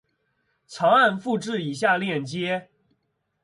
长按复制以下链接